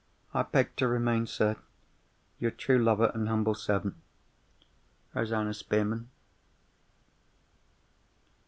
"I beg to remain, sir, your true lover and humble servant, "ROSANNA SPEARMAN."